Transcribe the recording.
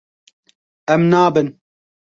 Em nabin.